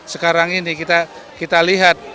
sekarang ini kita lihat